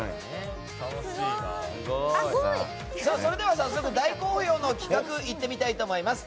それでは早速、大好評の企画いってみたいと思います。